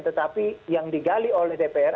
tetapi yang digali oleh dpr